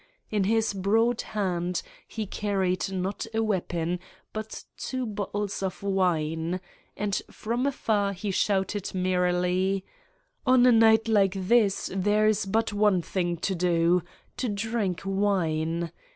In his broad hand he carried not a weapon, but two bottles of wine, and from afar he shouted merrily :" On a night like this there is but one thing to do, to drink wine.